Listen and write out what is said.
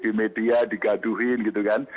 di media digaduhin gitu kan